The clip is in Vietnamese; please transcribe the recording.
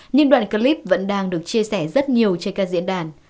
nhưng đoạn clip vẫn đang được chia sẻ rất nhiều trên các diễn đàn